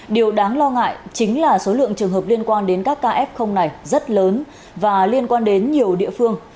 điều đáng lo ngại chính là số lượng trường hợp liên quan đến các ca f này rất lớn và liên quan đến nhiều địa phương